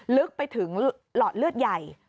ลึกไปถึงหลอดเลือดใหญ่